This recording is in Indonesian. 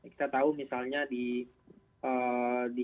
kita tahu misalnya di